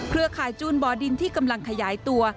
ข่ายจูนบ่อดินที่กำลังขยายตัว